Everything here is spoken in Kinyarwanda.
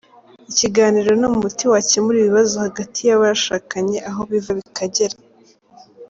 Ikiganiro ni umuti wakemura ibibazo hagati y’abashakanye aho biva bikagera.